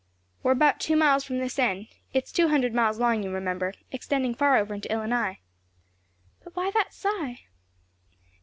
"We're about two miles from this end; it is two hundred miles long, you remember, extending far over into Illinois. But why that sigh?"